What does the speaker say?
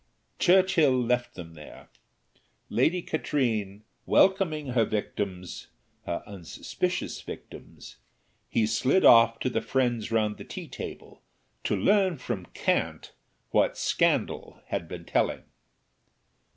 Churchill left them there. Lady Katrine welcoming her victims her unsuspicious victims he slid off to the friends round the tea table to learn from "Cant" what "Scandal" had been telling.